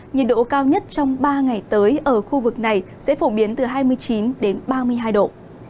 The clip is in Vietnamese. nhiệt độ cao nhất trong ba ngày tới ở khu vực này sẽ phổ biến từ hai mươi chín đến ba mươi hai độ